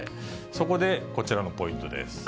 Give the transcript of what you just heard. そこでこちらのポイントです。